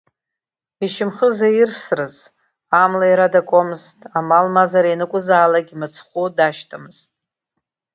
Ишьамхы заирсрыз, амла иара дакуамызт, амал-мазара ианакәызаалак мыцхәы дашьҭамызт.